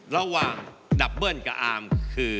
ระดับดับเบิ้ลกับอาร์มคือ